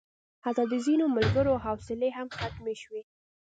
حتی د ځینو ملګرو حوصلې هم ختمې شوې.